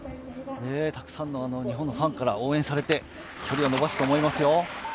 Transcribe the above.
たくさんの日本のファンから応援されて距離を延ばすと思いますよ。